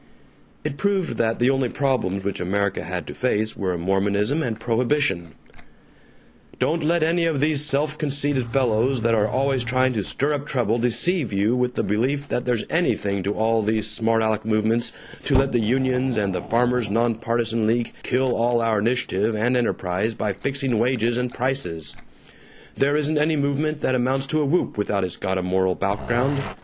It proved that the only problems which America had to face were Mormonism and Prohibition: "Don't let any of these self conceited fellows that are always trying to stir up trouble deceive you with the belief that there's anything to all these smart aleck movements to let the unions and the Farmers' Nonpartisan League kill all our initiative and enterprise by fixing wages and prices. There isn't any movement that amounts to a whoop without it's got a moral background.